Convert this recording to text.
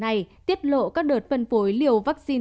này tiết lộ các đợt phân phối liều vaccine